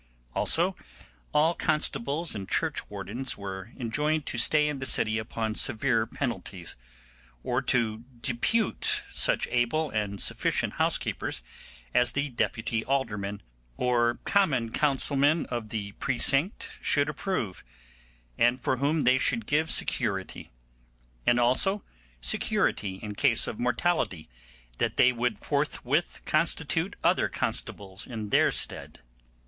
Also all constables and churchwardens were enjoined to stay in the city upon severe penalties, or to depute such able and sufficient housekeepers as the deputy aldermen or Common Council men of the precinct should approve, and for whom they should give security; and also security in case of mortality that they would forthwith constitute other constables in their stead.